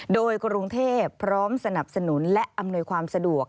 โดยกรุงเทพพร้อมสนับสนุนและอำนวยความสะดวก